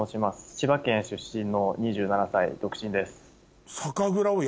千葉県出身の２７歳独身です。